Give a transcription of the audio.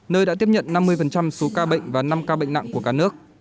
nơi đã tiếp nhận năm mươi số ca bệnh và năm ca bệnh nặng của cả nước